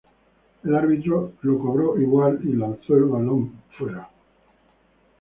El árbitro lo cobró igual y lanzó el balón afuera.